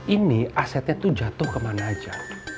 ini asetnya tuh jatuh ke mana aja